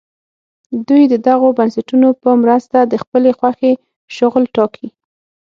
دوی د دغو بنسټونو په مرسته د خپلې خوښې شغل ټاکي.